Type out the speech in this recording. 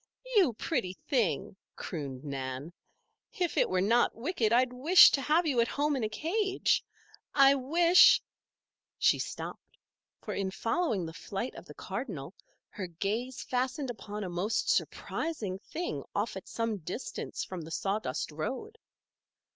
"You pretty thing!" crooned Nan. "If it were not wicked I'd wish to have you at home in a cage. I wish " She stopped, for in following the flight of the cardinal her gaze fastened upon a most surprising thing off at some distance from the sawdust road.